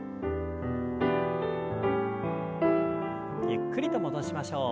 ゆっくりと戻しましょう。